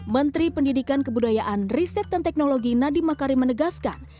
menteri pendidikan kebudayaan riset dan teknologi nadiem makarim menegaskan